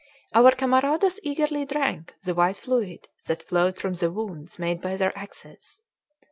Our camaradas eagerly drank the white fluid that flowed from the wounds made by their axes.